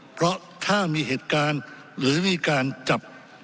เพราะถ้ามีเหตุการณ์หรือมีการจับ